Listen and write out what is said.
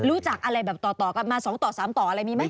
ลู้จักอะไรต่อมาสองต่อสามต่ออะไรมีไหม